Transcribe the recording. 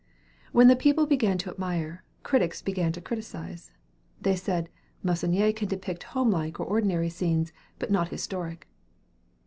When the people began to admire, critics began to criticize. They said "Meissonier can depict homelike or ordinary scenes, but not historic."